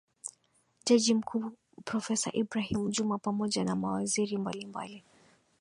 Jaji mkuu Profesa Ibrahim Juma pamoja na mawaziri mbalimbali